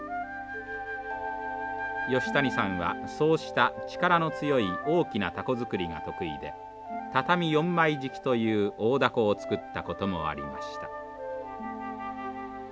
吉谷さんはそうした力の強い大きなたこ作りが得意で畳４枚敷きという大だこを作ったこともありました。